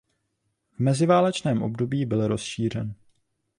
V meziválečném období byl rozšířen.